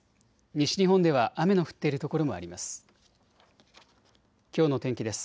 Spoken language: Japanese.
西日本では雨の降っている所もあります。